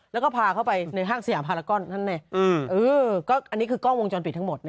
แล้วก็พาเข้าไปห้างเสียบพารากอลอันนี้คือกล้องวงจรปิดที่ทั้งหมด